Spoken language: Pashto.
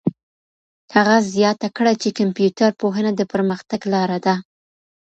هغه زیاته کړه چي کمپيوټر پوهنه د پرمختګ لاره ده.